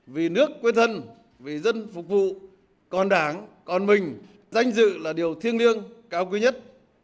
vì nước quê thân vì dân phục vụ còn đảng còn mình danh dự là điều thiêng liêng cao quý nhất